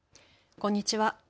こんにちは。